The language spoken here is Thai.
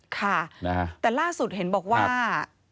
ค่ะแต่ล่าสุดเห็นบอกว่า